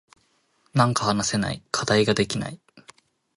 なんか話せない。課題ができない。